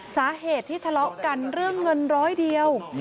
สาเหตุที่ทะเลาะกันเรื่องเงินร้อยเดียว